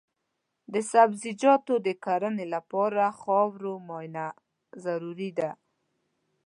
د سبزیجاتو د کرنې لپاره د خاورو معاینه ضروري ده.